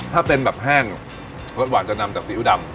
ถ้าเป็นแบบแห้งรสหวานจะนำจากซีอิ๊วดำ